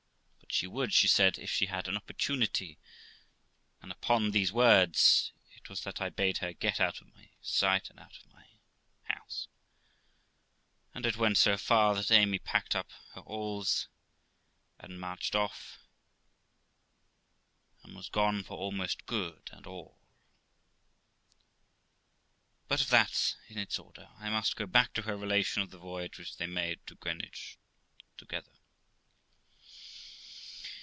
but she would, she said, if she had an opportunity; and upon these 380 THE LIFE OF ROXANA words it was that I bade her get out of my sight and out of my house; and it went so far, that Amy packed up her alls, and marched off, and was gone for almost good and all. But of that in its order; I must go back to her relation of the voyage which they made to Greenwich together.